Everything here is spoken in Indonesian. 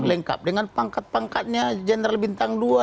lengkap dengan pangkat pangkatnya general bintang dua